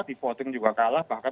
di voting juga kalah bahkan